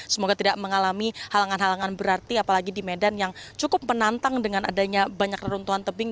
semoga tidak mengalami halangan halangan berarti apalagi di medan yang cukup menantang dengan adanya banyak reruntuhan tebing